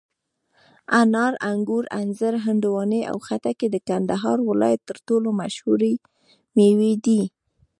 انار، انګور، انځر، هندواڼې او خټکي د کندهار ولایت تر ټولو مشهوري مېوې دي.